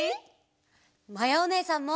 まやおねえさんも！